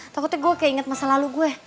takutnya gue kayak inget masa lalu gue